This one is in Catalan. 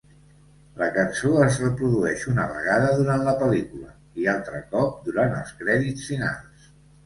La cançó es reprodueix una vegada durant la pel·lícula i altre cop durant els crèdits finals.